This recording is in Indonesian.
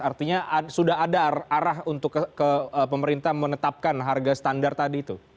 artinya sudah ada arah untuk pemerintah menetapkan harga standar tadi itu